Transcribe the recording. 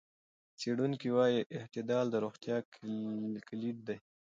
څېړونکي وايي اعتدال د روغتیا کلید دی.